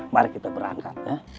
mari kita berangkat